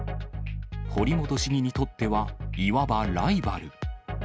堀本市議にとっては、いわばライバル。